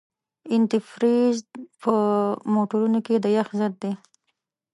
انتي فریز په موټرونو کې د یخ ضد دی.